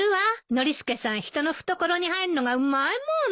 ノリスケさん人の懐に入るのがうまいもの。